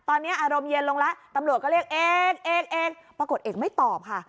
ตอนนี้อารมณ์เย็นลงแล้วตำรวจก็เรียกเอกเอกปรากฏเอกไม่ตอบค่ะ